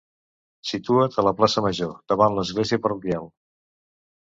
Situat a la Plaça Major, davant l'església parroquial.